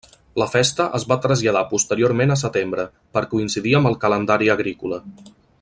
La festa es va traslladar posteriorment a setembre, per coincidir amb el calendari agrícola.